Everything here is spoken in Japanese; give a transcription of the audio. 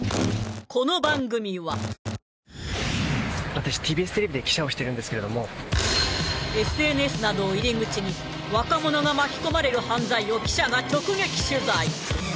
私ＴＢＳテレビで記者をしてるんですけれどもＳＮＳなどを入り口に若者が巻き込まれる犯罪を記者が直撃取材！